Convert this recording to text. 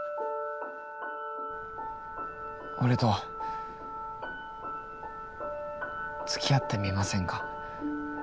俺とつきあってみませんか？